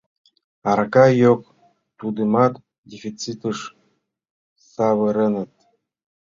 — Арака — йок, тудымат дефицитыш савыреныт.